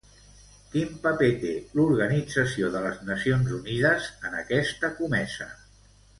Quin paper té l'Organització de les Nacions unides en aquesta comesa?